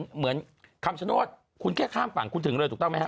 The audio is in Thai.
เหมือนคำชโนธคุณแค่ข้ามฝั่งคุณถึงเลยถูกต้องไหมฮ